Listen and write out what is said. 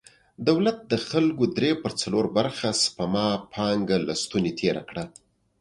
دولت د خلکو درې پر څلور برخه سپما پانګه له ستونې تېره کړه.